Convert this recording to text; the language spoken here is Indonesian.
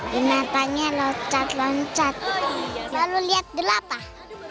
di matanya loncat loncat lalu lihat gelapah